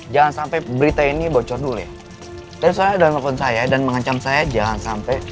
jangan sampai berita ini bocor dulu ya terserah dan mohon saya dan mengancam saya jangan sampai